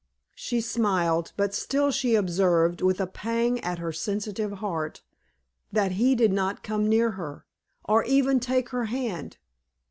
She smiled; but still she observed, with a pang at her sensitive heart, that he did not come near her, or even take her hand.